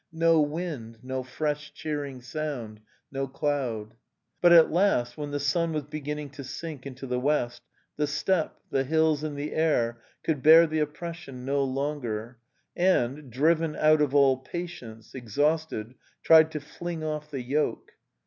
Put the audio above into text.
... No wind, no fresh cheering sound, no cloud. But at last, when the sun was beginning to sink into the west, the steppe, the hills and the air could bear the oppression no longer, and, driven out of all patience, exhausted, tried to fling off the yoke.